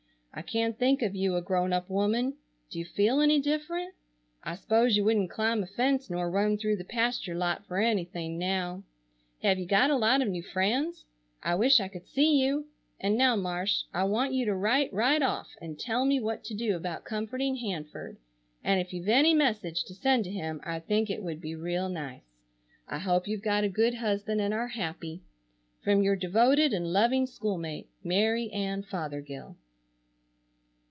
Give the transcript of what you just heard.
I can't think of you a grown up woman. Do you feel any different? I spose you wouldn't climb a fence nor run through the pasture lot for anything now. Have you got a lot of new friends? I wish I could see you. And now Marsh, I want you to write right off and tell me what to do about comforting Hanford, and if you've any message to send to him I think it would be real nice. I hope you've got a good husband and are happy. "From your devoted and loving school mate, "MARY ANN FOTHERGILL."